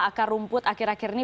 akar rumput akhir akhir ini